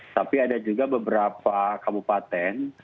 tapi ada juga beberapa kabupaten